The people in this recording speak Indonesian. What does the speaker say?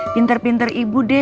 pinter pinter ibu deh